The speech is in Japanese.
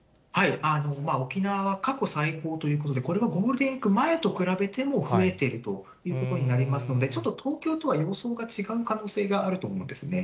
沖縄は過去最高ということで、これはゴールデンウィーク前と比べても増えているということになりますので、ちょっと東京とは様相が違う可能性があると思うんですね。